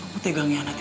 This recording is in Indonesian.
kamu tega nih anak aku